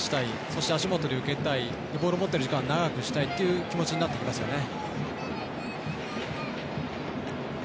そして、足元で受けたいボールを持ってる時間を長くしたいという気持ちになってきますよね。